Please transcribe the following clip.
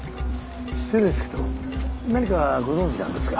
失礼ですけど何かご存じなんですか？